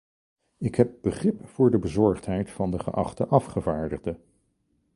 Ik heb begrip voor de bezorgdheid van de geachte afgevaardigde.